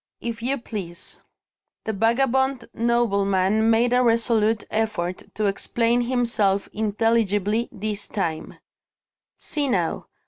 "If you please." The vagabond nobleman made a resolute effort to explain himself intelligibly, this time: "See now!